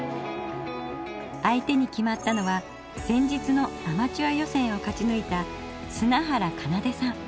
相手に決まったのは前日のアマチュア予選を勝ち抜いた砂原奏さん